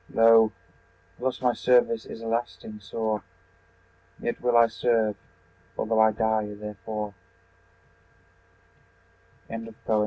Lo! thus my service is a lasting sore; Yet will I serve, although I die therefore.